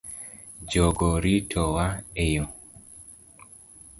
Jogo ritowa e yoo